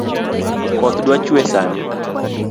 Koth dwa chwee sani